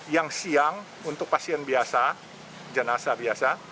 yang siang untuk pasien biasa jenazah biasa